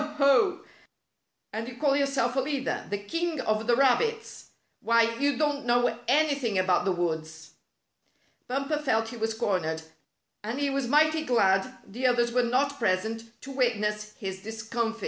Ho ! And you call yourself a leader — the king of the rabbits 1 Why, you don't know anything about the woods." Bumper felt he was cornered, and he was mighty glad the others were not present to wit ness his discomfit.